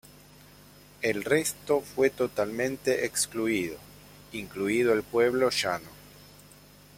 El resto fue totalmente excluido, incluido el pueblo llano.